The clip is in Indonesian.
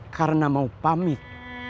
karena mau pamit